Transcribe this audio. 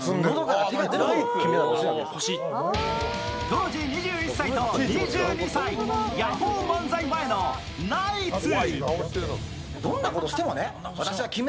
当時２１歳と２２歳ヤホー漫才前のナイツ。